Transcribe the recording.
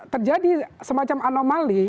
terjadi semacam anomali